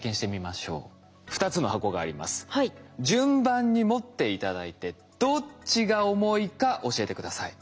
順番に持って頂いてどっちが重いか教えて下さい。